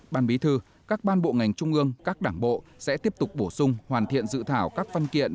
ban bí thư các ban bộ ngành trung ương các đảng bộ sẽ tiếp tục bổ sung hoàn thiện dự thảo các văn kiện